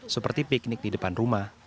seperti piknik di depan rumah